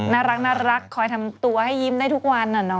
น่ารักคอยทำตัวให้ยิ้มได้ทุกวัน